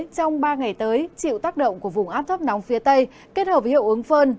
trong ba ngày tới chịu tác động của vùng áp thấp nóng phía tây kết hợp với hiệu ứng phơn